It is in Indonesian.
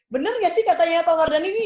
benar gak sih katanya pak mardhani ini